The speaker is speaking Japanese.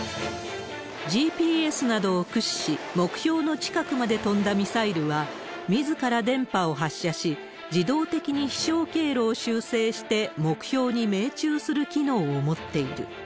ＧＰＳなどを駆使し、目標の近くまで飛んだミサイルは、みずから電波を発射し、自動的に飛しょう経路を修正して目標に命中する機能を持っている。